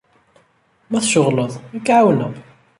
Ma tceɣleḍ, ad k-εawneɣ.